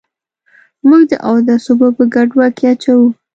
موږ د اودس اوبه په ګډوه کي اچوو.